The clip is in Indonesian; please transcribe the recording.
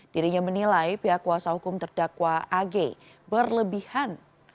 dirinya menilai pihak kuasa hukum terdakwa ag berlebihan